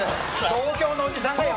東京のおじさんだよ。